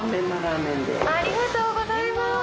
ありがとうございます！